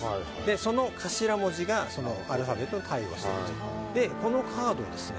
その頭文字がそのアルファベットと対応してるとこのカードをですね